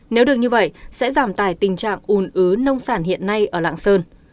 nếu được như vậy sẽ giảm tài tình trạng ùn ứ nông sản hiện nay ở lạng sơn